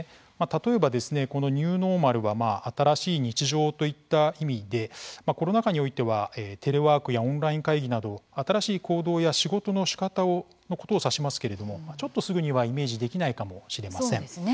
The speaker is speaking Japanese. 例えばですねニューノーマルは新しい日常といった意味でコロナ禍においてテレワークやオンライン会議など新しい行動や仕事のしかたのことを指しますけれどもちょっとはすぐにイメージできないかもしれません。